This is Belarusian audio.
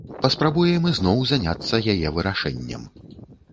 Паспрабуем ізноў заняцца яе вырашэннем.